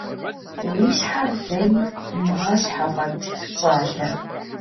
Уи щхьэр зэи умыгъэщхъ афӀэкӀ, щӀалэ!